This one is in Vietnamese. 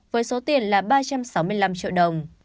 với số tiền là ba trăm sáu mươi năm triệu đồng